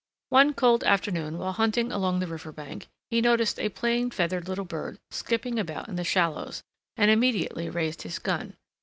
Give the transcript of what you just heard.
One cold afternoon, while hunting along the river bank, he noticed a plain feathered little bird skipping about in the shallows, and immediately raised his gun.